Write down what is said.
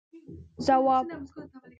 ځواب: